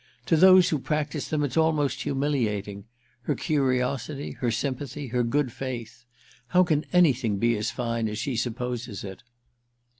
To those who practise them it's almost humiliating—her curiosity, her sympathy, her good faith. How can anything be as fine as she supposes it?"